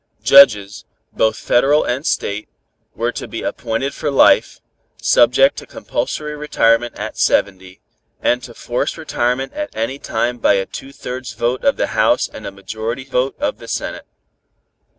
Judges, both Federal and State, were to be appointed for life, subject to compulsory retirement at seventy, and to forced retirement at any time by a two thirds vote of the House and a majority vote of the Senate.